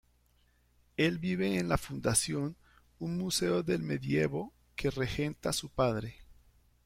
Él vive en la "fundación" un museo del medievo que regenta su padre.